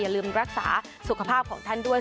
ลืมรักษาสุขภาพของท่านด้วย